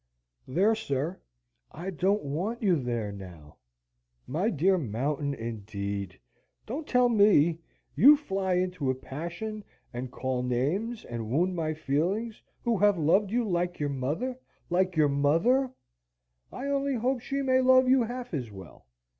There, sir, I don't want you there now. My dear Mountain, indeed! Don't tell me! You fly into a passion, and, call names, and wound my feelings, who have loved you like your mother like your mother? I only hope she may love you half as well.